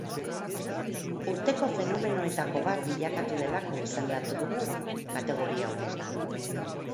Urteko fenonenoetako bat bilakatu delako izendatu dugu kategoria honetan.